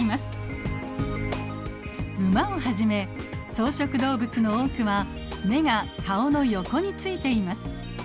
ウマをはじめ草食動物の多くは眼が顔の横についています。